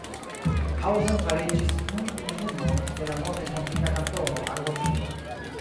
Hausen fariĝis nun komunumo de la nove fondita Kantono Argovio.